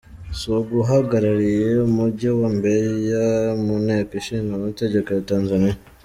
Sugu ahagarariye Umujyi wa Mbeya mu Nteko Ishinga Amategeko ya Tanzania.